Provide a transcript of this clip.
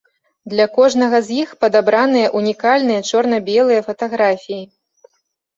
Для кожнага з іх падабраныя унікальныя чорна-белыя фатаграфіі.